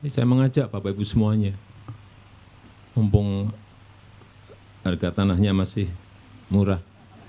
saya mengajak bapak ibu semuanya mumpung harga tanahnya masih murah